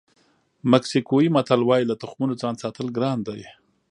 مکسیکوي متل وایي له تخمونو ځان ساتل ګران دي.